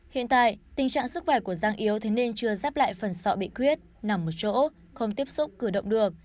hiện tại tình trạng sức khỏe của giang yếu thế nên chưa dắp lại phần sọ bị khuyết nằm một chỗ không tiếp xúc cử động được